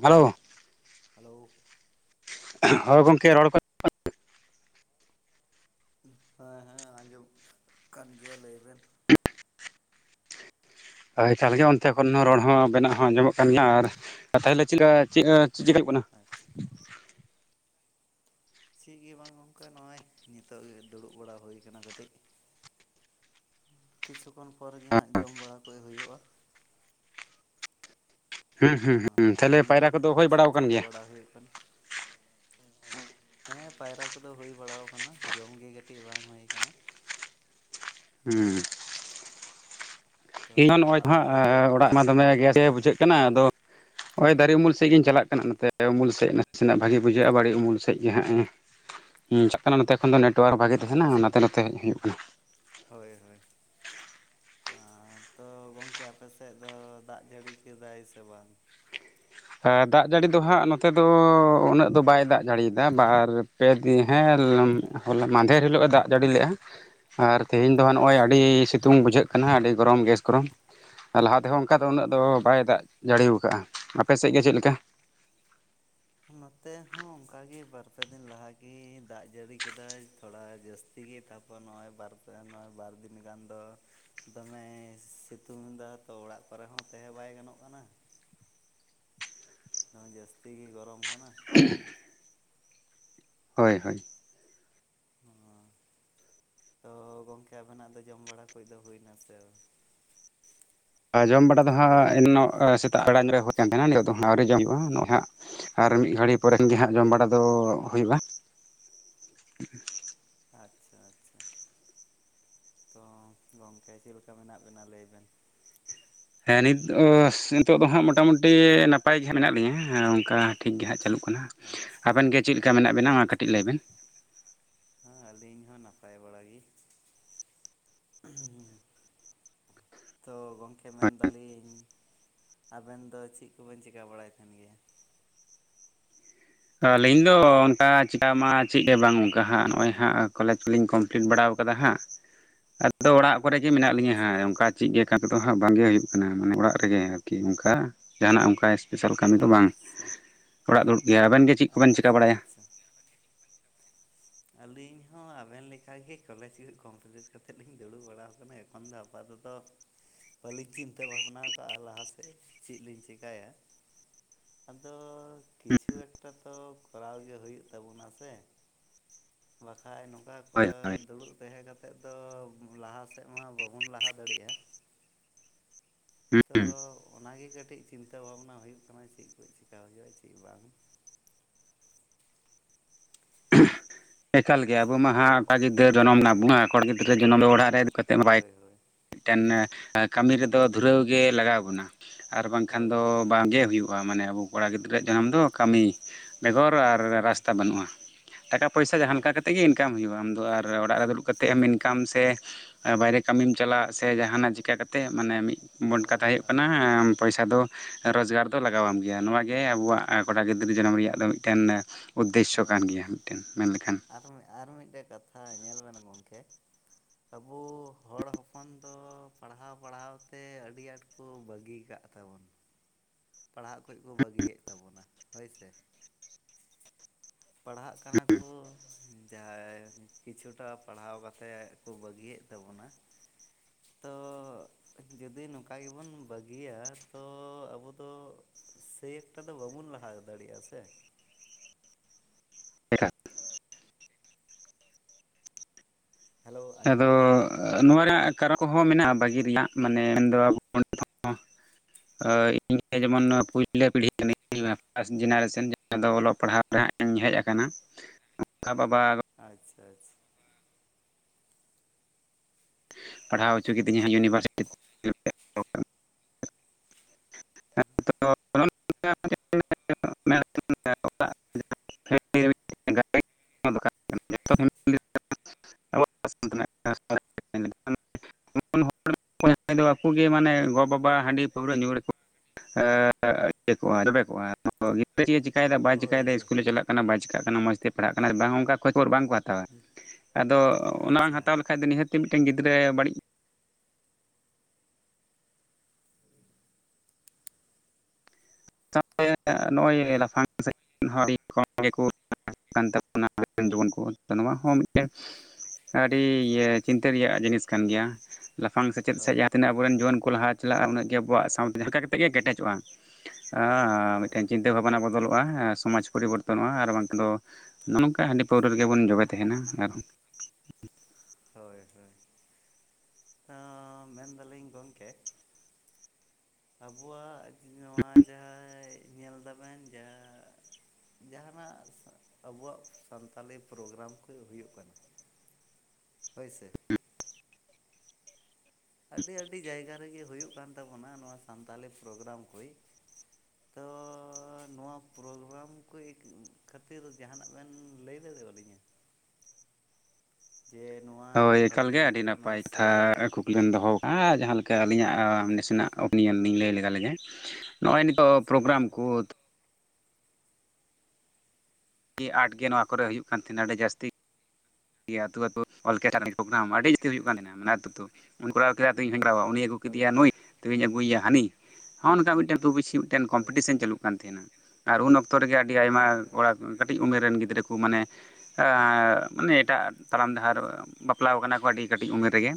Hello hello hello ᱦᱳᱭ ᱜᱚᱝᱠᱮ ᱨᱚᱲ ᱠᱚ ᱦᱮᱸ ᱦᱮᱸ ᱟᱸᱡᱚᱢ ᱠᱟᱱ ᱜᱮᱭᱟ ᱞᱮᱭ ᱵᱮᱱ ᱚᱭ ᱛᱟᱦᱞᱮ ᱜᱮ ᱚᱱᱛᱮ ᱠᱷᱚᱱ ᱦᱚᱸ ᱨᱚᱲ ᱦᱚᱸ ᱟᱵᱮᱱᱟᱜ ᱦᱮᱞᱳ ᱦᱚᱸ ᱟᱸᱡᱚᱢᱚᱜ ᱠᱟᱱ ᱜᱮᱭᱟ ᱟᱨ ᱛᱟᱦᱚᱞᱮ ᱪᱮᱫ ᱞᱮᱠᱟ ᱪᱮᱫ ᱮ ᱪᱮᱫ ᱪᱤᱠᱟ. ᱟᱪᱷᱟ ᱪᱮᱫ ᱜᱮ ᱵᱟᱝ ᱜᱚᱝᱠᱮ ᱱᱚᱜᱼᱚᱭ ᱱᱤᱛᱚᱜ ᱜᱮ ᱫᱩᱲᱩᱵ ᱵᱟᱲᱟ ᱦᱳᱭ ᱠᱟᱱᱟ ᱠᱟᱹᱴᱤᱡ [inaudible] ᱠᱤᱪᱷᱩ ᱠᱷᱚᱱ ᱯᱚᱨ ᱜᱮ ᱦᱟᱸᱜ ᱡᱚᱢ ᱵᱟᱲᱟ ᱠᱚ ᱦᱩᱭᱩᱜ-ᱟ ᱦᱩᱸ ᱚ ᱦᱩᱸ ᱦᱩᱸ ᱛᱟᱦᱚᱞᱮ ᱟᱵᱮᱱ ᱜᱮ ᱯᱟᱭᱨᱟ ᱠᱚᱫᱚ ᱦᱩᱭ ᱪᱮᱫ ᱵᱟᱲᱟᱣ ᱟᱠᱟᱱ ᱪᱤᱠᱟᱹ ᱜᱮᱭᱟ? ᱵᱟᱲᱟ ᱦᱩᱭᱩᱜ ᱠᱟᱱᱟ ᱦᱮᱸ ᱯᱟᱭᱨᱟ ᱠᱚᱫᱚ ᱦᱩᱭ ᱵᱟᱲᱟ ᱠᱟᱱᱟ ᱡᱚᱢ ᱜᱮ ᱠᱟᱹᱴᱤᱡ ᱵᱟᱝ ᱦᱩᱭ ᱠᱟᱱᱟ ᱦᱩᱸ ᱛᱚ ᱤᱧ ᱱᱚᱜ-ᱚᱭ ᱛᱚ ᱟᱵᱮᱱ ᱜᱮ ᱞᱟᱹᱭ ᱦᱟᱸᱜ ᱵᱮᱱ ᱚᱲᱟᱜ ᱪᱮᱫ ᱢᱟ ᱵᱮᱱ ᱫᱚᱢᱮ ᱪᱮᱠᱟ ᱜᱮᱥ ᱜᱮ ᱵᱟᱲᱟᱭᱮᱫᱟ ᱵᱩᱡᱷᱟᱹᱜ ᱠᱟᱱᱟ ᱟᱫᱚ ᱦᱚᱜ-ᱚᱭ ᱫᱟᱨᱮ ᱩᱢᱩᱞ ᱥᱮᱫ ᱜᱮᱧ ᱪᱟᱞᱟᱜ ᱠᱟᱱᱟ ᱱᱚᱛᱮ ᱩᱢᱩᱞ ᱥᱮᱫ ᱱᱟᱥᱮᱱᱟᱜ ᱵᱷᱟᱜᱤ ᱵᱩᱡᱷᱟᱹᱜ-ᱟ ᱵᱟᱹᱲᱤᱡ ᱩᱢᱩᱞ ᱥᱮᱫ ᱜᱮ ᱦᱟᱸᱜ ᱮ ᱦᱮᱸ ᱪᱟᱜ ᱠᱟᱱᱟ ᱱᱚᱛᱮ ᱠᱷᱚᱱ ᱫᱚ ᱱᱮᱴ ᱚᱣᱟᱨᱠ ᱵᱷᱟᱜᱮ ᱛᱟᱦᱮᱱᱟ ᱟᱪᱪᱷᱟ ᱚᱱᱟᱛᱮ ᱱᱚᱛᱮ ᱦᱮᱡ ᱦᱩᱭᱩᱜ ᱠᱟᱱᱟ‌ ᱦᱳᱭ ᱦᱳᱭ ᱟᱨ ᱛᱚ ᱜᱚᱢᱠᱮ ᱟᱯᱮ ᱥᱮᱫ ᱫᱚ ᱫᱟᱜ ᱡᱟᱹᱲᱤ ᱠᱮᱫᱟᱭ ᱥᱮ ᱵᱟᱝ ᱦᱮ ᱫᱟᱜ ᱡᱟᱹᱲᱤ ᱫᱚ ᱦᱟᱸᱜ ᱱᱚᱛᱮ ᱫᱚ ᱩᱱᱟᱹᱜ ᱫᱚ ᱵᱟᱭ ᱫᱟᱜ ᱡᱟᱹᱲᱤᱭᱫᱟ ᱵᱟᱨ ᱯᱮ ᱫᱤ ᱦᱮᱸ ᱦᱚ ᱢᱟᱫᱮᱨ ᱦᱤᱞᱳᱜ ᱮ ᱫᱟᱜ ᱡᱟᱹᱲᱤ ᱞᱮᱫ-ᱟ ᱟᱨ ᱛᱮᱦᱮᱧ ᱫᱚ ᱦᱟᱸᱜ ᱱᱚᱜ-ᱚᱭ ᱟᱪᱪᱷᱟ ᱟᱹᱰᱤ ᱥᱤᱛᱩᱝ ᱵᱩᱡᱷᱟᱹᱜ ᱠᱟᱱᱟ ᱟᱹᱰᱤ ᱜᱚᱨᱚᱢ ᱜᱮᱥ ᱜᱚᱨᱚᱢ ᱟᱨ ᱞᱟᱦᱟ ᱛᱮᱦᱚᱸ ᱚᱱᱠᱟ ᱫᱚ ᱩᱱᱟᱹᱜ ᱫᱚ ᱦᱳᱭ ᱦᱳᱭ ᱵᱟᱭ ᱫᱟᱜ ᱡᱟᱹᱲᱤᱣ ᱟᱠᱟᱜᱼᱟ ᱟᱯᱮ ᱥᱮᱫ ᱜᱮ ᱪᱮᱫᱞᱮᱠᱟ ᱱᱚᱛᱮ ᱦᱚᱸ ᱚᱱᱠᱟᱜᱮ ᱵᱟᱨ-ᱯᱮ ᱫᱤᱱ ᱞᱟᱦᱟ ᱜᱮ ᱫᱟᱜ ᱡᱟᱹᱲᱤ ᱠᱮᱫᱟᱭ ᱛᱷᱚᱲᱟ ᱡᱟᱹᱥ ᱛᱤᱜᱮ ᱛᱟᱯᱚᱨ ᱱᱚᱜ-ᱚᱭ ᱵᱟᱨᱯᱮ ᱱᱚᱜ-ᱚᱭ ᱵᱟᱨ ᱫᱤᱱ ᱜᱟᱱ ᱫᱚ ᱫᱚᱢᱮᱭ ᱥᱤᱛᱩᱝ ᱫᱟ ᱛᱚ ᱚᱲᱟᱜ ᱠᱚᱨᱮ ᱦᱚᱸ ᱛᱟᱦᱮᱸ ᱵᱟᱭ ᱜᱟᱱᱚᱜ ᱠᱟᱱᱟ ᱫᱚᱢᱮ ᱡᱟᱹᱥᱛᱤ ᱜᱮ ᱜᱚᱨᱚᱢ ᱠᱟᱱᱟ [unintelligible] ᱦᱳᱭ ᱦᱳᱭ ᱦᱚᱸ ᱛᱚ ᱜᱚᱝᱠᱮ ᱟᱵᱮᱱᱟᱜ ᱫᱚ ᱡᱚᱢ ᱵᱟᱲᱟ ᱠᱚᱡ ᱫᱚ ᱦᱩᱭᱱᱟ ᱥᱮ ᱟ ᱡᱚᱢ ᱵᱟᱲᱟ ᱫᱚ ᱦᱟᱸᱜ ᱮᱱᱚᱜ ᱥᱮᱛᱟᱜ ᱟᱲᱟᱝ ᱨᱮ ᱦᱳᱭ ᱠᱟᱱ ᱛᱟᱦᱮᱱᱟ ᱱᱤᱛᱚᱜ ᱫᱚ ᱦᱟᱜ ᱟ. ᱣᱨᱤ ᱡᱚᱢ ᱦᱩᱭᱩᱜᱼᱟ ᱱᱚᱜ ᱚᱭ ᱦᱟᱜ ᱟᱨ ᱢᱤᱫ ᱜᱷᱟᱹᱲᱤ ᱯᱚᱨᱮ ᱠᱷᱟᱱᱜᱮ ᱦᱟᱸᱜ ᱡᱚᱢ ᱵᱟᱲᱟ ᱫᱚ ᱦᱩᱭᱩᱜ-ᱟ ᱟᱪᱪᱷᱟ ᱟᱪᱪᱷᱟ ᱛᱚ ᱜᱚᱝᱠᱮ ᱪᱮᱫ ᱞᱮᱠᱟ ᱢᱮᱱᱟᱜ ᱵᱮᱱᱟ ᱞᱟᱹᱭ ᱵᱮᱱ ᱦᱮᱸ ᱱᱤᱛ ᱚᱥ ᱱᱤᱛᱚᱜ ᱫᱚ ᱦᱟᱸᱜ ᱢᱚᱴᱟ ᱢᱩᱴᱤ ᱱᱟᱯᱟᱭ ᱜᱮ ᱦᱟᱸᱜ ᱢᱮᱱᱟᱜ ᱞᱤᱧᱟᱹ ᱚᱱᱠᱟ ᱴᱷᱤᱠ ᱜᱮ ᱦᱟᱸᱜ ᱪᱟᱹᱞᱩᱜ ᱠᱟᱱᱟ ᱟᱪᱪᱷᱟ ᱟᱵᱮᱱ ᱜᱮ ᱪᱮᱫ ᱞᱮᱠᱟ ᱢᱮᱱᱟᱜ ᱵᱮᱱᱟ ᱚᱱᱟ ᱟᱪᱪᱷᱟ ᱠᱟᱹᱴᱤᱡ ᱞᱟᱹᱭ ᱵᱮᱱ ᱦᱮᱸ ᱟᱹᱞᱤᱧ ᱦᱚᱸ ᱱᱟᱯᱟᱭ ᱵᱟᱲᱟ ᱜᱮ [unintelligible] ᱛᱳ ᱜᱚᱢᱠᱮ ᱦᱳᱭ ᱢᱮᱱᱫᱟᱞᱤᱧ ᱟᱵᱮᱱ ᱫᱚ ᱪᱮᱫ ᱠᱚᱵᱮᱱ ᱪᱮᱠᱟ ᱵᱟᱲᱟᱭ ᱠᱟᱱ ᱜᱮᱭᱟ ᱟᱹᱞᱤᱧ ᱫᱚ ᱚᱱᱠᱟ ᱪᱮᱠᱟ ᱢᱟ ᱪᱮᱫ ᱜᱮ ᱵᱟᱝ ᱚᱱᱠᱟ ᱦᱟᱸᱜ ᱱᱚᱜ-ᱚᱭ ᱦᱟᱸᱜ ᱠᱚᱞᱮᱡᱽ ᱠᱚᱞᱤᱧ ᱠᱚᱢ ᱯᱞᱤᱴ ᱵᱟᱲᱟᱣ ᱠᱟᱫᱟ ᱦᱟᱸᱜ ᱟᱫᱚ ᱚᱲᱟᱜ ᱠᱚᱨᱮ ᱜᱮ ᱢᱮᱱᱟᱜ ᱞᱤᱧᱟᱹ ᱟᱪᱪᱷᱟ ᱦᱟᱸᱜ ᱚᱱᱠᱟ ᱪᱮᱫ ᱜᱮ ᱮᱠᱟ ᱛᱮᱫᱚ ᱦᱟᱸᱜ ᱵᱟᱝᱜᱮ ᱦᱩᱭᱩᱜ ᱠᱟᱱᱟ ᱢᱟᱱᱮ ᱚᱲᱟᱜ ᱨᱮᱜᱮ ᱟᱨᱠᱤ ᱚᱱᱠᱟ ᱡᱟᱦᱱᱟᱜ ᱚᱱᱠᱟ ᱵᱤᱥᱟᱞ ᱠᱟᱹᱢᱤ ᱫᱚ ᱵᱟᱝ ᱟᱪᱪᱷᱟ ᱚᱲᱟᱜ ᱫᱩᱲᱩᱵ ᱜᱮ ᱟᱵᱮᱱ ᱜᱮ ᱪᱮᱫ ᱠᱚᱵᱮᱱ ᱪᱤᱠᱟᱹ ᱟᱪᱪᱷᱟ ᱵᱟᱲᱟᱭᱟ ᱟᱪᱪᱷᱟ ᱟᱹᱞᱤᱧ ᱦᱚᱸ ᱟᱵᱮᱱ ᱞᱮᱠᱟᱜᱮ ᱠᱚᱞᱮᱡᱽ ᱠᱚ ᱠᱚᱢᱯᱞᱤᱴ ᱠᱟᱛᱮᱫ ᱞᱤᱧ ᱫᱩᱲᱩᱵ ᱵᱟᱲᱟ ᱟᱠᱟᱱᱟ ᱮᱠᱷᱚᱱ ᱫᱚ ᱟᱯᱟᱛᱚᱛᱚ ᱵᱟᱹᱞᱤᱧ ᱪᱤᱱᱛᱟᱹ ᱵᱷᱟᱵᱽᱱᱟ ᱠᱟᱜ-ᱟ ᱞᱟᱦᱟ ᱥᱮᱫ ᱪᱮᱫ ᱞᱤᱧ ᱪᱤᱠᱟᱭᱟ ᱟᱫᱚ ᱠᱤᱪᱷᱩ ᱮᱠᱴᱟ ᱛᱚ ᱠᱚᱨᱟᱣ ᱜᱮ ᱦᱩᱭᱩᱜ ᱛᱟᱵᱚᱱᱟ ᱥᱮ ᱵᱟᱠᱷᱟᱡ ᱱᱚᱝᱠᱟ ᱠᱚ ᱦᱳᱭ ᱦᱳᱭ ᱫᱩᱲᱩᱵ ᱛᱟᱦᱮᱸ ᱠᱟ ᱛᱮᱫ ᱫᱚ ᱞᱟᱦᱟ ᱥᱮᱫ ᱢᱟ ᱵᱟᱵᱚᱱ ᱞᱟᱦᱟ ᱫᱟᱲᱮᱜ-ᱟ ᱛᱚ ᱦᱩᱸ ᱚᱱᱟᱜᱮ ᱠᱟᱹᱴᱤᱡ ᱪᱤᱱᱛᱟᱹ ᱵᱷᱟᱵᱱᱟ ᱦᱩᱭᱩᱜ ᱠᱟᱱᱟ ᱪᱮᱫ ᱠᱚ ᱪᱮᱠᱟ ᱦᱩᱭᱩᱜ-ᱟ ᱪᱮᱫ ᱵᱟᱝ ᱮᱠᱟᱞ ᱜᱮ ᱟᱵᱚ ᱢᱟ ᱛᱚ ᱦᱟᱸᱜ ᱚᱠᱟ ᱜᱤᱫᱽᱨᱟᱹ ᱡᱚᱱᱚᱢ ᱢᱮᱱᱟᱜ ᱦᱳᱭ ᱵᱚᱱᱟ ᱠᱚᱲᱟ ᱜᱤᱫᱽᱨᱟᱹ ᱡᱚᱱᱚᱢ ᱫᱚ ᱚᱲᱟᱜ ᱨᱮ ᱫᱩᱲᱩᱵ ᱠᱟᱛᱮ ᱢᱟ ᱵᱟᱭ ᱦᱳᱭ ᱦᱳᱭ ᱢᱤᱫᱴᱮᱱ ᱠᱟᱹᱢᱤ ᱨᱮᱫᱚ ᱫᱷᱩᱨᱟᱹᱣ ᱜᱮ ᱞᱟᱜᱟᱣ ᱵᱚᱱᱟ ᱟᱨ ᱵᱟᱝᱠᱷᱟᱱ ᱦᱳᱭ ᱫᱚ ᱵᱟᱝᱜᱮ ᱦᱩᱭᱩᱜ ᱵᱟ ᱢᱟᱱᱮ ᱟᱵᱚ ᱠᱚᱲᱟ ᱜᱤᱫᱽᱨᱟᱹ ᱡᱟᱱᱟᱢ ᱫᱚ ᱠᱟᱹᱢᱤ ᱵᱮᱜᱚᱨ ᱟᱨ ᱦᱳᱭ ᱨᱟᱥᱛᱟ ᱵᱟᱹᱱᱩᱜ-ᱟ ᱯᱚᱭᱥᱟ ᱡᱟᱦᱟᱸ ᱦᱳᱭ ᱞᱮᱠᱟ ᱠᱟᱛᱮᱫ ᱜᱮ ᱤᱱᱠᱟᱢ ᱦᱩᱭᱩᱜ-ᱟ ᱟᱢᱫᱚ ᱟᱨ ᱚᱲᱟᱜ ᱨᱮ ᱫᱩᱲᱩᱵ ᱠᱟᱛᱮᱫ ᱮᱢ ᱤᱱᱠᱟᱢ ᱥᱮ ᱮ ᱵᱟᱭᱨᱮ ᱠᱟᱹᱢᱤᱢ ᱪᱟᱞᱟᱜ ᱥᱮ ᱡᱟᱦᱟᱱᱟᱜ ᱪᱤᱠᱟᱹ ᱠᱟᱛᱮᱜ ᱢᱟᱱᱮ ᱢᱤᱫ ᱵᱚᱱ ᱦᱳᱭ ᱠᱟᱛᱷᱟ ᱦᱩᱭᱩᱜ ᱦᱳᱭ ᱠᱟᱱᱟ ᱯᱚᱭᱥᱟ ᱫᱚ ᱨᱳᱡᱽᱜᱟᱨ ᱫᱚ ᱞᱟᱜᱟᱣ ᱟᱢ ᱜᱮᱭᱟ ᱱᱚᱣᱟᱜᱮ ᱟᱵᱚᱣᱟᱜ ᱠᱚᱲᱟ ᱜᱤᱫᱽᱨᱟᱹ ᱡᱟᱱᱟᱢ ᱨᱮᱭᱟᱜ ᱫᱚ ᱢᱤᱫᱴᱮᱱ ᱩᱫᱽᱫᱮᱥᱚ ᱠᱟᱱ ᱜᱮᱭᱟ ᱢᱤᱫᱴᱮᱱ ᱢᱮᱱᱞᱮᱠᱷᱟᱱ ᱟᱨᱚ ᱟᱨ ᱢᱤᱫᱴᱮᱱ ᱠᱟᱛᱷᱟ ᱧᱮᱞ ᱵᱮᱱ ᱜᱚᱢᱠᱮ ᱟᱵᱚ ᱦᱚᱲ ᱦᱚᱯᱚᱱ ᱫᱚ ᱯᱟᱲᱦᱟᱣ ᱯᱟᱲᱦᱟᱣ ᱛᱮ ᱟᱹᱰᱤ ᱟᱸᱴ ᱠᱚ ᱵᱟᱹᱜᱤ ᱠᱟᱜ ᱛᱟᱵᱚᱱ ᱯᱟᱲᱦᱟᱜ ᱠᱚ ᱠᱚ ᱵᱟᱹᱜᱤᱭᱮᱫ ᱛᱟᱵᱚᱱᱟ ᱦᱳᱭ ᱥᱮ ᱯᱟᱲᱦᱟᱜ ᱠᱟᱱᱟ ᱠᱚ ᱡᱟᱦᱟᱸᱭ ᱠᱤᱪᱷᱩᱴᱟ ᱯᱟᱲᱦᱟᱣ ᱠᱟᱛᱮᱫ ᱠᱚ ᱵᱟᱹᱜᱤᱭᱮᱫ ᱛᱟᱵᱚᱱᱟ [inaudible] ᱛᱚᱻ ᱡᱩᱫᱤ ᱱᱚᱝᱠᱟ ᱜᱮᱵᱚᱱ ᱵᱟᱹᱜᱤᱭᱟ ᱛᱚ ᱟᱵᱚ ᱫᱚ ᱥᱮ ᱮᱠᱴᱟ ᱫᱚ ᱵᱟᱵᱚᱱ ᱞᱟᱦᱟ ᱫᱟᱲᱮᱭᱟᱜᱼᱟ ᱥᱮ ᱦᱮᱞᱳ ᱟᱸᱡᱚᱢ ᱟᱫᱚ ᱫᱟᱵᱮᱱ ᱱᱚᱣᱟ ᱨᱮᱭᱟᱜ ᱠᱟᱨᱟ ᱠᱚᱦᱚᱸ ᱢᱮᱱᱟᱜᱼᱟ ᱵᱟᱹᱜᱤ ᱨᱮᱭᱟᱜ ᱢᱟᱱᱮ ᱢᱮᱱᱫᱚ ᱚᱸᱰᱮ ᱠᱷᱚᱱ ᱚ ᱤᱧ ᱡᱮᱢᱚᱱ ᱯᱩᱭᱞᱳ ᱯᱤᱲᱦᱤ ᱠᱟᱱᱟᱹᱧ ᱯᱷᱟᱥᱴ ᱡᱮᱱᱟᱨᱮᱥᱟᱱ ᱟᱫᱚ ᱚᱞᱚᱜ ᱯᱟᱲᱦᱟᱣ ᱨᱮᱦᱟᱸᱜ ᱤᱧ ᱦᱮᱡ ᱟᱠᱟᱱᱟ ᱵᱟᱵᱟ ᱟᱪᱪᱷᱟ ᱟᱪᱪᱷᱟ ᱯᱟᱲᱦᱟᱣ ᱦᱚᱪᱚ ᱠᱤᱫᱤᱧᱟᱭ ᱤᱭᱩᱱᱤᱵᱷᱟᱨᱥᱤᱴᱤ [inaudible] [inaudible] [inaudible] ᱠᱚᱭᱮᱠᱴᱟ ᱫᱚ ᱟᱠᱚ ᱜᱮ ᱢᱟᱱᱮ ᱜᱚ ᱵᱟᱵᱟ ᱦᱟᱺᱰᱤ ᱯᱟᱹᱣᱨᱟᱹ ᱧᱩ ᱨᱮᱠᱚ ᱮ ᱤᱭᱟᱹ ᱠᱚᱜᱼᱟ ᱡᱚᱵᱮ ᱠᱚᱜᱼᱟ ᱪᱮᱭ ᱪᱮᱠᱟᱭᱟᱫᱟ ᱵᱟᱭ ᱦᱳᱭ ᱪᱮᱠᱟᱹᱭᱮᱫᱟ ᱦᱳᱭ ᱤᱥᱠᱩᱞᱮ ᱪᱟᱞᱟᱜ ᱠᱟᱱᱟ ᱵᱟᱭ ᱪᱤᱠᱟᱜ ᱠᱟᱱᱟ ᱢᱚᱸᱡᱽ ᱛᱮ ᱯᱟᱲᱦᱟᱜ ᱠᱟᱱᱟᱭ ᱵᱟᱝ ᱚᱱᱠᱟ ᱠᱷᱚᱡᱽ ᱠᱷᱚᱵᱚᱨ ᱵᱟᱝ ᱠᱚ ᱦᱟᱛᱟᱣᱟ [inaudible] ᱟᱫᱚ ᱚᱱᱟ ᱟᱪᱪᱷᱟ ᱦᱟᱛᱟᱣ ᱞᱮᱠᱷᱟᱡ ᱫᱚ ᱱᱤᱦᱟᱹᱛ ᱢᱤᱫᱴᱮᱱ ᱜᱤᱫᱽᱨᱟᱹ ᱵᱟᱹᱲᱤᱡ [inaudible] ᱱᱚᱜᱼᱚᱭ ᱞᱟᱯᱷᱟᱝ ᱥᱮ [inaudible] ᱱᱚᱣᱟ ᱦᱚᱸ ᱢᱤᱫᱴᱮᱱ ᱟᱹᱰᱤ ᱤᱭᱟᱹ ᱪᱤᱱᱛᱟᱹ ᱨᱮᱭᱟᱜ ᱡᱤᱱᱤᱥ ᱠᱟᱱ ᱜᱮᱭᱟ ᱞᱟᱯᱷᱟᱝ ᱥᱮᱪᱮᱫ ᱥᱮᱡ ᱦᱳᱭ ᱡᱟᱦᱟᱸ ᱛᱤᱱᱟᱹᱜ ᱟᱵᱚᱨᱮᱱ ᱡᱩᱣᱟᱹᱱ ᱠᱚ ᱞᱟᱦᱟ ᱪᱟᱞᱟᱜᱼᱟ ᱩᱱᱟᱹᱜ ᱜᱮ ᱟᱵᱚᱣᱟᱜ ᱥᱟᱶᱛᱟ ᱡᱟᱦᱟᱸ ᱞᱮᱠᱟ ᱠᱟᱛᱮᱜ ᱜᱮ ᱠᱮᱴᱮᱡᱚᱜᱼᱟ। ᱟᱻ ᱦᱳᱭ ᱢᱤᱫᱴᱮᱱ ᱪᱤᱱᱛᱟᱹ ᱵᱷᱟᱵᱱᱟ ᱵᱚᱫᱚᱞᱚᱜᱼᱟ ᱥᱚᱢᱟᱡ ᱯᱚᱨᱤᱵᱚᱨᱛᱚᱱᱚᱜᱼᱟ ᱟᱨ ᱵᱟᱝᱠᱷᱟᱱ ᱫᱚ ᱱᱚᱜᱼᱚ ᱱᱚᱝᱠᱟ ᱦᱟᱺᱰᱤ ᱯᱟᱹᱣᱨᱟᱹ ᱨᱮᱜᱮ ᱵᱚᱱ ᱡᱚᱵᱮ ᱛᱟᱦᱮᱱᱟ ᱟᱨᱦᱚᱸ ᱦᱳᱭ ᱼ ᱦᱳᱭ ᱟᱻ ᱢᱮᱱᱫᱟᱹᱞᱤᱧ ᱜᱚᱢᱠᱮ ᱟᱵᱚᱣᱟᱜ ᱱᱚᱣᱟ ᱡᱟᱦᱟᱸᱭ ᱧᱮᱞ ᱫᱟᱵᱮᱱ ᱡᱟᱻ ᱡᱟᱦᱟᱱᱟᱜ ᱟᱵᱚᱣᱟᱜ ᱥᱟᱱᱛᱟᱞᱤ ᱯᱨᱚᱜᱨᱟᱢ ᱠᱚ ᱦᱩᱭᱩᱜ ᱠᱟᱱᱟ [inaudible] ᱦᱚᱭᱥᱮ ᱟᱹᱰᱤ ᱟᱹᱰᱤ ᱡᱟᱭᱜᱟ ᱨᱮᱜᱮ ᱦᱩᱭᱩᱜ ᱠᱟᱱ ᱛᱟᱵᱚᱱᱟ ᱱᱚᱣᱟ ᱥᱟᱱᱛᱟᱞᱤ ᱯᱨᱚᱜᱨᱟᱢ ᱠᱚᱭ [inaudible] ᱛᱚ ᱱᱚᱣᱟ ᱯᱨᱳᱜᱨᱟᱢ ᱠᱚ ᱠᱷᱟᱹᱛᱤᱨ ᱡᱟᱦᱟᱱᱟᱜ ᱵᱮᱱ ᱞᱟᱹᱭ ᱫᱟᱲᱮᱣᱟᱞᱤᱧᱟ ᱡᱮ ᱱᱚᱣᱟ ᱦᱚᱭ ᱮᱠᱟᱞ ᱵᱷᱟᱹᱞᱤ ᱜᱮ ᱟᱹᱰᱤ ᱦᱩᱭᱩᱜ ᱠᱟᱱᱟ ᱱᱟᱯᱟᱭ ᱛᱷᱟ ᱥᱮ ᱠᱩ ᱵᱮᱱ ᱫᱚᱦᱚ ᱠᱟᱜᱼᱟ ᱡᱟᱦᱟᱸ ᱞᱮᱠᱟ ᱟᱹᱞᱤᱧᱟᱜ ᱱᱟᱥᱮᱱᱟᱜ ᱳᱯᱤᱱᱤᱭᱚᱱ ᱞᱤᱧ ᱞᱟᱹᱭ ᱞᱮᱜᱟ ᱞᱮᱜᱮ ᱱᱚᱜᱼᱚᱭ ᱱᱤᱛᱚᱜ ᱟᱪᱪᱷᱟ ᱯᱨᱳᱜᱨᱟᱢ ᱦᱳᱭ ᱠᱚ ᱟᱹᱰᱤ ᱟᱴ ᱜᱮ ᱱᱚᱣᱟ ᱠᱚᱨᱮ ᱦᱩᱭᱩᱜ ᱠᱟᱱ ᱛᱟᱦᱮᱱᱟ ᱟᱹᱰᱤ ᱡᱟᱹᱥᱛᱤ ᱟᱹᱛᱩ ᱟᱹᱛᱩ [unintelligible] ᱯᱨᱳᱜᱨᱟᱢ ᱟᱹᱰᱤ ᱡᱟᱹᱥᱛᱤ ᱦᱩᱭᱩᱜ ᱠᱟᱱ ᱛᱟᱦᱮᱸᱱᱟ ᱟᱹᱛᱩ ᱟᱹᱛᱩ ᱩᱱᱤ ᱠᱚᱨᱟᱣ ᱠᱮᱫᱟ ᱤᱧ ᱦᱩᱧ ᱦᱳᱭ ᱠᱚᱨᱟᱣᱟ ᱩᱱᱤ ᱟᱹᱜᱩ ᱦᱳᱭ ᱠᱮᱫᱮᱭᱟ ᱱᱩᱭ ᱛᱚᱵᱮᱧ ᱟᱹᱜᱩᱭᱭᱟ ᱦᱟᱹᱱᱤ ᱱᱚᱜᱼᱚ ᱱᱚᱝᱠᱟ ᱢᱤᱫᱴᱟᱝ ᱟᱹᱛᱩ ᱯᱤᱪᱷᱤ ᱢᱤᱫᱴᱮᱱ ᱦᱳᱭ ᱠᱚᱢᱯᱤᱴᱤᱥᱮᱱ ᱪᱟᱞᱹᱩᱜ ᱠᱟᱱ ᱛᱟᱦᱮᱸᱱᱟ, ᱟᱨ ᱩᱱ ᱚᱠᱛᱚ ᱨᱮᱜᱮ ᱟᱹᱰᱤ ᱟᱭᱢᱟ ᱦᱳᱭ ᱠᱚᱲᱟᱼᱼ ᱠᱟᱹᱴᱤᱡ ᱩᱢᱮᱨ ᱨᱮᱱ ᱜᱤᱫᱽᱨᱟᱹ ᱠᱚ ᱢᱟᱱᱮ ᱢᱟᱱᱮ ᱟᱸᱮᱻ ᱢᱮᱱᱮᱼᱼ ᱮᱴᱟᱜ ᱛᱟᱲᱟᱢ ᱰᱟᱦᱟᱨ ᱵᱟᱯᱞᱟ ᱟᱠᱟᱱᱟ ᱠᱚ ᱟᱹᱰᱤ ᱠᱟᱹᱴᱤᱡ ᱩᱢᱮᱨ ᱨᱮᱜᱮ,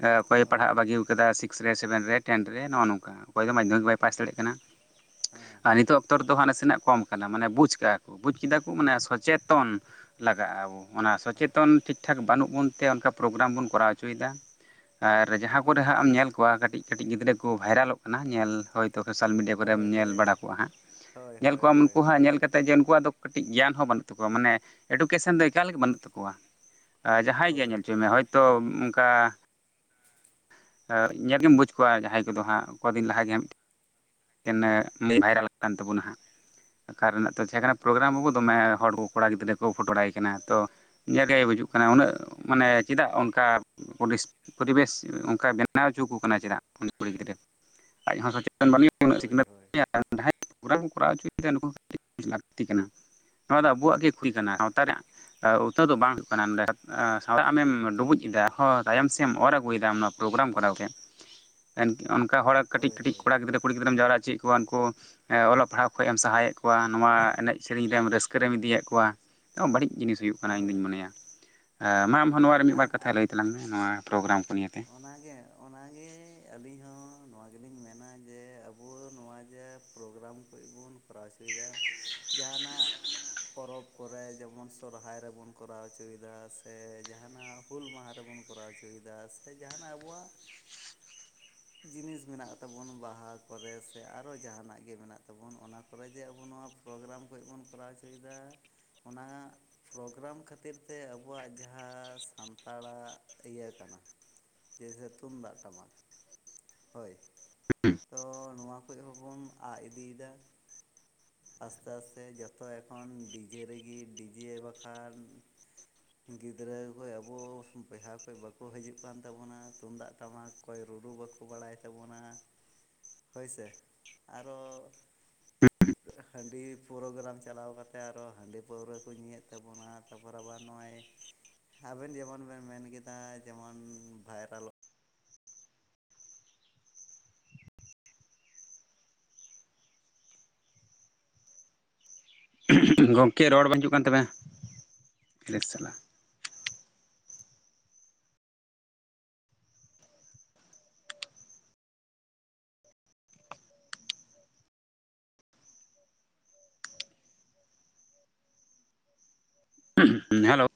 ᱚᱠᱚᱭ ᱦᱳᱭ ᱯᱟᱲᱦᱟᱜ ᱵᱟᱹᱜᱤᱣ ᱟᱠᱟᱫᱟᱼᱼ ᱥᱨᱮ ᱥᱮᱵᱷᱮᱱ ᱨᱮ ᱴᱮᱱ ᱨᱮ ᱱᱚᱜᱼᱚ ᱱᱚᱝᱠᱟ ᱚᱠᱚᱭ ᱫᱚ ᱢᱟᱫᱽᱫᱷᱚᱢᱤᱠ ᱵᱟᱭ ᱯᱟᱥ ᱫᱟᱲᱮᱭᱟᱜ ᱠᱟᱱᱟ, ᱦᱮᱸ ᱟᱨ ᱦᱮᱸ ᱱᱤᱛᱚᱜᱼᱼ ᱵᱚᱛᱚᱨ ᱫᱚ ᱦᱟᱸᱜ ᱱᱟᱥᱮᱱᱟᱜ ᱠᱚᱢ ᱠᱟᱱᱟ ᱢᱟᱱᱮ ᱵᱩᱡᱽ ᱠᱟᱜ-ᱟ ᱠᱚ ᱵᱩᱡᱽ ᱠᱮᱫᱟ ᱠᱚ ᱢᱟᱱᱮ ᱥᱚᱪᱮᱛᱚᱱ ᱞᱟᱜᱟᱜ-ᱟ, ᱟᱵᱚᱼᱼ ᱚᱱᱟ ᱦᱳᱭ ᱥᱚᱪᱮᱛᱚᱱ ᱴᱷᱤᱠ ᱴᱷᱟᱠ ᱵᱟᱹᱱᱩᱜ ᱵᱚᱱ ᱛᱮ ᱚᱱᱠᱟ ᱯᱨᱳᱜᱨᱟᱢ ᱵᱚᱱ ᱠᱚᱨᱟᱣ ᱚᱪᱚ ᱮᱫᱟ᱾ ᱟᱨ ᱡᱟᱦᱟᱸ ᱠᱚᱨᱮ ᱦᱳᱭ ᱦᱟᱸᱜ ᱮᱢ ᱦᱳᱭ ᱧᱮᱞ ᱠᱚᱣᱟ ᱠᱟᱹᱴᱤᱡ ᱠᱟᱹᱴᱤᱡ ᱜᱤᱫᱽᱨᱟᱹ ᱠᱚ ᱵᱷᱟᱭᱨᱟᱞᱚᱜ ᱠᱟᱱᱟ, ᱧᱮᱞ ᱦᱚᱭᱛᱼᱼ ᱛᱚ ᱥᱳᱥᱟᱞ ᱢᱤᱰᱤᱭᱟ ᱠᱚᱨᱮᱢ ᱦᱳᱭ ᱧᱮᱞ ᱦᱳᱭ ᱵᱟᱲᱟ ᱠᱚᱣᱟ ᱦᱟᱸᱜ᱾ ᱦᱳᱭ ᱧᱮᱞ ᱦᱳᱭ ᱠᱚᱣᱟᱢ ᱦᱳᱭ ᱦᱳᱭ ᱱᱩᱠᱩ ᱦᱟᱸᱜ ᱧᱮᱞ ᱠᱟᱛᱮᱜ ᱡᱮ ᱩᱱᱠᱩᱣᱟᱜ ᱫᱚ ᱠᱟᱹᱴᱤᱡ ᱜᱮᱭᱟᱱ ᱦᱚᱸ ᱵᱟᱹᱱᱩᱜ ᱛᱟᱠᱚᱣᱟ ᱢᱟᱱᱮᱼᱼ ᱮᱰᱩᱠᱮᱥᱟᱱ ᱫᱚ ᱮᱠᱟᱞ ᱜᱮ ᱵᱟᱹᱱᱩᱜ ᱛᱟᱠᱚᱣᱟ᱾ ᱡᱟᱦᱟᱸᱭ ᱜᱮ ᱧᱮᱞ ᱦᱳᱭ ᱦᱚᱪᱚᱭᱮᱢᱮ ᱦᱚᱭᱛᱳ ᱚᱱᱠᱟᱼᱼ ᱧᱮᱞᱜ ᱜᱮᱢ ᱵᱩᱡᱽ ᱠᱚᱣᱟ ᱡᱟᱦᱟᱸᱭ ᱠᱚᱫᱚ ᱦᱟᱸᱜ ᱠᱚᱫᱤᱱ ᱞᱟᱦᱟ ᱜᱮ ᱦᱟᱸᱜ ᱼᱼ [unintelligible] ᱵᱷᱟᱭᱨᱟᱞ ᱠᱟᱱ ᱛᱟᱵᱚᱱᱟ ᱦᱟᱸᱜ ᱚᱠᱟ ᱨᱮᱱᱟᱜ ᱛᱚ ᱛᱟᱦᱮᱸ ᱠᱟᱱᱟ ᱯᱨᱳᱜᱨᱟᱢ ᱦᱚᱸᱠᱚ ᱫᱚᱢᱮ ᱦᱚᱲ ᱠᱚ ᱠᱚᱲᱟ ᱜᱤᱫᱽᱨᱟᱹ ᱠᱚ ᱯᱷᱳᱴᱳᱭ ᱵᱲᱟᱭ ᱠᱟᱱᱟ, ᱛᱚᱼᱼ ᱜᱮ ᱵᱩᱡᱩᱜ ᱠᱟᱱᱟ ᱩᱱᱟᱹᱜ ᱟᱪᱪᱷᱟ ᱢᱟᱱᱮ ᱪᱮᱫᱟᱜ ᱚᱱᱠᱟᱼᱼ ᱯᱚᱨᱤᱥ ᱯᱚᱨᱤᱵᱮᱥ ᱚᱱᱠᱟ ᱵᱮᱱᱟᱣ ᱦᱚᱪᱚ ᱟᱠᱩ ᱠᱟᱱᱟ ᱪᱮᱫᱟᱜ? ᱩᱱᱤ ᱠᱩᱲᱤ ᱜᱤᱫᱽᱨᱟᱹ᱾ ᱟᱡ ᱦᱚᱸ ᱥᱚᱪᱮᱛᱚᱱ ᱵᱟᱹᱱᱩᱜ ᱮᱭᱟ ᱩᱱᱟᱹᱜ ᱦᱳᱭ ᱥᱤᱠᱱᱟᱹᱛ ᱦᱳᱭ ᱜᱮᱭᱟ [unintelligible] [unintelligible] ᱠᱚᱨᱟᱣ ᱦᱚᱪᱚᱭᱮᱫᱟ ᱱᱚᱣᱟ ᱦᱚᱸ ᱠᱟᱹᱴᱤᱡ ᱞᱟᱹᱠᱛᱤ ᱠᱟᱱᱟ ᱱᱚᱣᱟ ᱫᱚ ᱟᱵᱩᱣᱟᱜ ᱜᱮ ᱠᱷᱩᱭ ᱠᱟᱱᱟ ᱦᱳᱭ ᱥᱟᱶᱛᱟ ᱨᱮᱭᱟᱜ ᱩᱛᱱᱟᱹᱣ ᱫᱚ ᱵᱟᱝᱼᱼ [unintelligible] ᱥᱟᱶ ᱟᱢᱮᱢ ᱰᱩᱵᱩᱡ ᱮᱫᱟ ᱛᱟᱭᱚᱢ ᱥᱮᱫ ᱮᱢ ᱚᱨ ᱟᱹᱜᱩᱭᱮᱫᱟ ᱱᱚᱣᱟ ᱯᱨᱳᱜᱨᱟᱢ ᱠᱚᱨᱟᱣ ᱛᱮ᱾ ᱚᱱᱠᱟ ᱦᱚᱲ ᱠᱟᱹᱴᱤᱡ ᱦᱳᱭ ᱦᱳᱭ ᱠᱟᱹᱴᱤᱡ ᱠᱚᱲᱟ ᱜᱤᱫᱽᱨᱟᱹ ᱠᱩᱲᱤ ᱜᱤᱫᱽᱨᱟᱹᱢ ᱡᱟᱣᱨᱟ ᱦᱚᱪᱚᱭᱮᱫ ᱠᱚᱣᱟ ᱩᱱᱠᱩᱼᱼ ᱦᱮᱸ ᱚᱞᱚᱜ ᱯᱟᱲᱦᱟᱜ ᱠᱷᱚᱡ ᱮᱢ ᱥᱟᱦᱟᱭᱮᱫ ᱠᱚᱣᱟ ᱱᱚᱣᱟ ᱮᱱᱮᱡ ᱥᱮᱨᱮᱧ ᱨᱮᱢ ᱨᱟᱹᱥᱠᱟᱹ ᱨᱮᱢ ᱤᱫᱤᱭᱮᱫ ᱠᱚᱣᱟ᱾ ᱵᱟᱹᱲᱤᱡ ᱡᱤᱱᱤᱥ ᱦᱩᱭᱩᱜ ᱠᱟᱱᱟ ᱤᱧᱫᱩᱧ ᱦᱳᱭ ᱦᱳᱭ ᱢᱚᱱᱮᱭᱟ! ᱦᱮᱸ ᱢᱟ ᱟᱢᱦᱚᱸ ᱱᱚᱣᱟ ᱨᱮ ᱢᱤᱫ ᱵᱟᱨ ᱠᱟᱛᱷᱟ ᱟᱨ ᱞᱟᱹᱭ ᱛᱟᱞᱟᱝ ᱢᱮ ᱱᱚᱣᱟ ᱯᱨᱳᱜᱨᱟᱢ ᱠᱚ ᱱᱤᱭᱮᱛᱮᱼᱼ ᱚᱱᱟᱜᱮ ᱚᱱᱟᱜᱮ ᱟᱹᱞᱤᱧ ᱦᱚᱸ ᱱᱚᱣᱟ ᱜᱮᱞᱤᱧ ᱢᱮᱱᱟ ᱡᱮ ᱟᱵᱚ ᱱᱚᱣᱟ ᱡᱮᱼᱼ ᱯᱨᱳᱜᱨᱟᱢ ᱠᱚᱡ ᱵᱚᱱ ᱠᱚᱨᱟᱣ ᱦᱚᱪᱚᱭᱮᱫᱟ, ᱡᱟᱦᱟᱸᱱᱟᱜᱼᱼ ᱯᱚᱨᱚᱵᱽ ᱠᱚᱨᱮ ᱡᱮᱢᱚᱱ ᱥᱚᱨᱦᱟᱭ ᱨᱮᱵᱚᱱ ᱠᱚᱨᱟᱣ ᱚᱪᱚᱭᱮᱫᱟ ᱥᱮ ᱡᱟᱦᱟᱸᱱᱟᱜᱼᱼ ᱦᱩᱞ ᱢᱟᱦᱟ ᱨᱮᱵᱚᱱ ᱠᱚᱨᱟᱣ ᱦᱚᱪᱚᱭᱮᱫᱟ, ᱥᱮ ᱡᱟᱦᱟᱸᱱᱟᱜ ᱟᱵᱚᱣᱟᱜᱼᱼ ᱡᱤᱱᱤᱥ ᱢᱮᱱᱟᱜ ᱛᱟᱵᱚᱱ ᱵᱟᱦᱟ ᱠᱚᱨᱮ ᱥᱮ ᱟᱨᱚ ᱡᱟᱦᱟᱱᱟᱜ ᱜᱮ ᱢᱮᱱᱟᱜ ᱛᱟᱵᱚᱱ ᱚᱱᱟᱼᱼ ᱛᱚᱵᱮ ᱡᱮ ᱟᱵᱚ ᱱᱚᱣᱟ ᱯᱨᱳᱜᱨᱟᱢ ᱠᱚ ᱵᱚᱱ ᱠᱚᱨᱟᱣ ᱦᱚᱪᱚ ᱮᱫᱟ ᱚᱱᱟᱼᱼ ᱯᱨᱳᱜᱨᱟᱢ ᱠᱷᱟᱹᱛᱤᱨ ᱛᱮ ᱟᱵᱚᱣᱟᱜ ᱡᱟᱦᱟᱸ ᱥᱟᱱᱛᱟᱲᱟᱜ ᱤᱭᱟᱹ ᱠᱟᱱᱟ᱾ ᱡᱮᱦᱮ ᱛᱩ ᱛᱩᱢᱫᱟᱜ ᱴᱟᱢᱟᱠ, ᱦᱳᱭ ᱛᱚ ᱱᱚᱣᱟ ᱠᱚᱡ ᱦᱚᱸᱵᱚᱱ ᱟᱜ ᱤᱫᱤᱭᱮᱫᱟ᱾ ᱟᱥᱛᱮ ᱟᱥᱛᱮ ᱡᱚᱛᱚ ᱮᱠᱷᱚᱱ ᱰᱤᱡᱮ ᱨᱮᱜᱮ ᱰᱤᱡᱮ ᱵᱟᱠᱷᱟᱱᱼᱼ ᱜᱤᱫᱽᱨᱟᱹ ᱠᱷ ᱟᱵᱚ ᱵᱚᱭᱦᱟ ᱠᱷᱚᱡ ᱵᱟᱠᱚ ᱦᱤᱡᱩᱜ ᱠᱟᱱ ᱛᱟᱵᱚᱱᱟ ᱛᱩᱢᱫᱟᱜ ᱴᱟᱢᱟᱠᱼᱼ ᱚᱠᱚᱭ ᱨᱩᱼᱨᱩ ᱵᱟᱠᱚ ᱵᱟᱰᱟᱭ ᱛᱟᱵᱚᱱᱟ, ᱦᱳᱭ ᱥᱮ ᱟᱨᱚᱼᱼ ᱦᱟᱺᱰᱤ ᱯᱨᱳᱜᱽᱨᱟᱢ ᱪᱟᱞᱟᱣ ᱠᱟᱛᱮᱫ ᱟᱨᱚ ᱦᱟᱺᱰᱤ ᱯᱟᱹᱣᱨᱟᱹ ᱠᱚ ᱧᱩᱭᱮᱫ ᱛᱟᱵᱚᱱᱟ, ᱛᱟ ᱯᱚᱨᱮᱵᱟᱨ ᱱᱚᱜ-ᱚᱭ ᱟᱵᱮᱱ ᱡᱮᱢᱚᱱ ᱵᱮᱱ ᱢᱮᱱ ᱠᱮᱫᱟ ᱡᱮᱢᱚᱱ ᱵᱷᱟᱭᱨᱟᱞᱚᱜᱼᱼ ᱜᱚᱝᱠᱮ ᱨᱚᱲ ᱵᱟᱝ ᱦᱤᱡᱩᱜ ᱠᱟᱱ ᱛᱟᱵᱤᱱᱟ, ᱦᱩᱸ ᱦᱮᱞᱳ